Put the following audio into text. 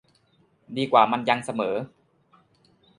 ดีว่ามันยังเสมอ